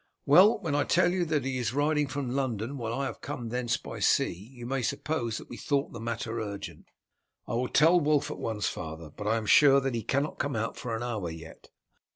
"Well, when I tell you that he is riding from London, while I have come thence by sea, you may suppose that we thought the matter urgent." "I will tell Wulf at once, father, but I am sure that he cannot come out for an hour yet."